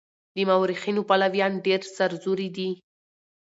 د مورخينو پلويان ډېر سرزوري دي.